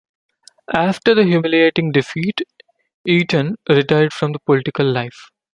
After the humiliating defeat, Eitan retired from the political life.